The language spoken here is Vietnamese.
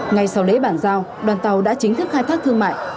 ngay sau lễ bản giao đoàn tàu đã chính thức khai thác thương mại